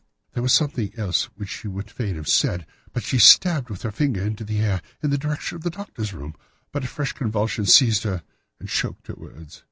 There was something else which she would fain have said, and she stabbed with her finger into the air in the direction of the Doctor's room, but a fresh convulsion seized her and choked her words.